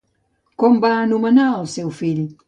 Com va anomenar al seu fill?